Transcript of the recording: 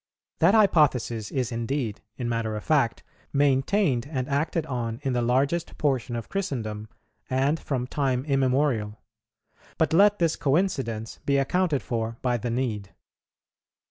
That hypothesis is indeed, in matter of fact, maintained and acted on in the largest portion of Christendom, and from time immemorial; but let this coincidence be accounted for by the need.